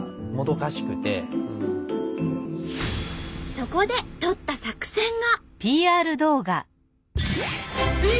そこでとった作戦が。